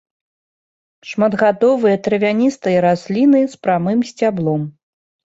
Шматгадовыя травяністыя расліны з прамым сцяблом.